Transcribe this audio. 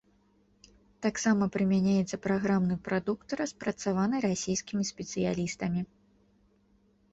Таксама прымяняецца праграмны прадукт, распрацаваны расійскімі спецыялістамі.